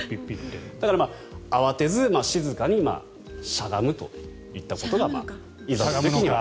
だから、慌てず静かにしゃがむといったことがいざという時には。